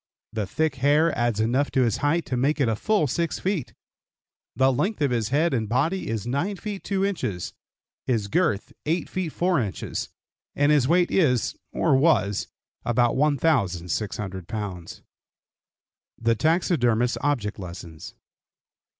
The thick hair adds enough to his height to make it full 6 feet. The length of his head and body is 9 feet 2 inches, his girth 8 feet 4 inches and his weight is, or was, about 1,600 pounds. THE TAXIDERMIST'S OBJECT LESSONS.